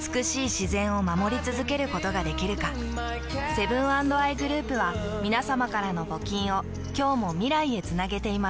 セブン＆アイグループはみなさまからの募金を今日も未来へつなげています。